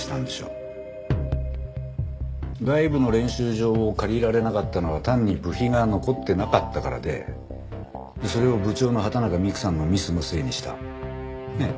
外部の練習場を借りられなかったのは単に部費が残ってなかったからでそれを部長の畑中美玖さんのミスのせいにした。ね？